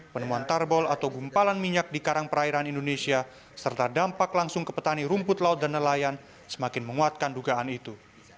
penemuan tarbol atau gumpalan minyak di karang perairan indonesia serta dampak langsung ke petani rumput laut dan nelayan semakin menguatkan dugaan itu